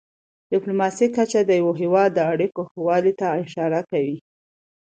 د ډيپلوماسی کچه د یو هېواد د اړیکو ښهوالي ته اشاره کوي.